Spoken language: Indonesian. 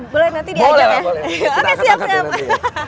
boleh nanti diangkat ya boleh lah